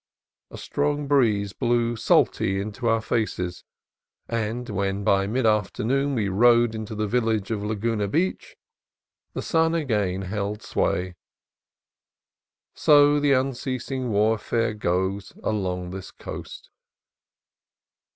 A strong breeze blew 16 CALIFORNIA COAST TRAILS salty in our faces; but when by mid afternoon we rode into the village of Laguna Beach, the sun again held sway. So the unceasing warfare goes along this coast.